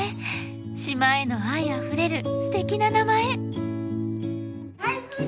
島への愛あふれるすてきな名前！